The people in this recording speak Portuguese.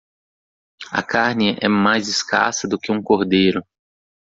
A carne é mais escassa do que um cordeiro.